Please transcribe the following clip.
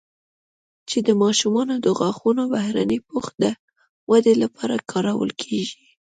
چې د ماشومانو د غاښونو بهرني پوښ د ودې لپاره کارول کېږي